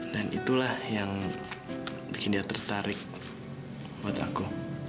dan itulah yang bikin dia tertarik buat aku